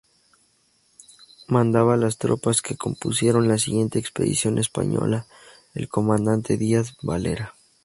Mandaba las tropas que compusieron la siguiente expedición española, el comandante Díaz Varela.